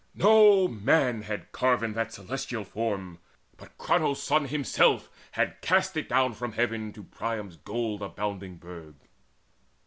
No man had carven that celestial form, But Cronos' Son himself had cast it down From heaven to Priam's gold abounding burg.